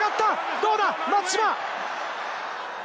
どうだ松島！